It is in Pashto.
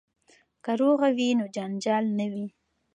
که روغه وي نو جنجال نه وي.